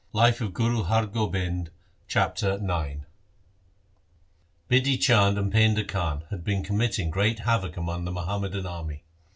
LIFE OF GURU HAR GOBIND 89 Chapter IX Bidhi Chand and Painda Khan had been com mitting great havoc among the Muhammadan army.